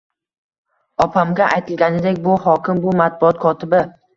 Opamga aytilganidek, bu hokim, bu matbuot kotibi